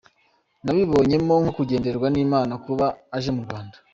Nabibonyemo nko kugendererwa n'Imana kuba aje mu Rwanda.